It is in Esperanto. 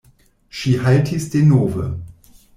Ŝi haltis denove.